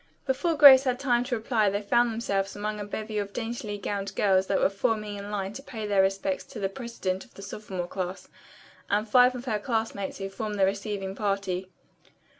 Before Grace had time to reply they found themselves among a bevy of daintily gowned girls that were forming in line to pay their respects to the president of the sophomore class and five of her classmates who formed the receiving party.